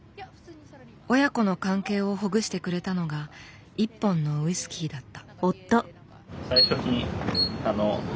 親子の関係をほぐしてくれたのが一本のウイスキーだった。